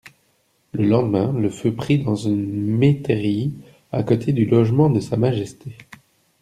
Le lendemain le feu prit dans une métairie à côté du logement de Sa Majesté.